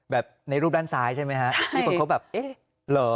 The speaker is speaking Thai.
ในรูปด้านซ้ายใช่ไหมฮะที่คนเขาแบบเอ๊ะเหรอ